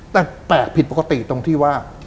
แต่แปลกผิดปกติตรงที่ว่า